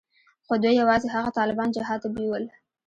خو دوى يوازې هغه طالبان جهاد ته بيول.